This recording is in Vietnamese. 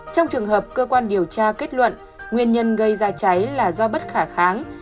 trong trường hợp cơ quan điều tra kết luận nguyên nhân gây ra cháy là do bất khả kháng